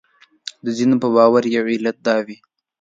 د ځینو په باور یو علت دا وي.